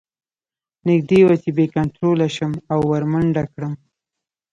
نږدې وه چې بې کنتروله شم او ور منډه کړم